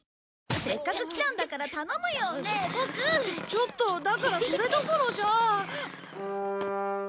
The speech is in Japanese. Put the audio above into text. ちょっとだからそれどころじゃ。